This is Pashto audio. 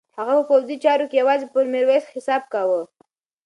هغه په پوځي چارو کې یوازې پر میرویس حساب کاوه.